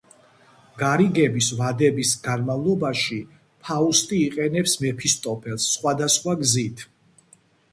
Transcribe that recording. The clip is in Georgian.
გარიგების ვადების განმავლობაში ფაუსტი იყენებს მეფისტოფელს სხვადასხვა გზით.